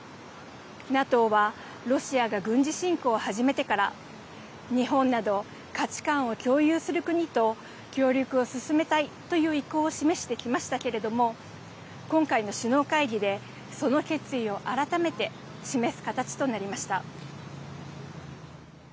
ＮＡＴＯはロシアが軍事侵攻を始めてから、日本など、価値観を共有する国と協力を進めたいという意向を示してきましたけれども、今回の首脳会議で、その決意を改めて示す形となりました。